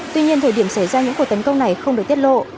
tuy nhiên thời điểm xảy ra những cuộc tấn công này không được tiết lộ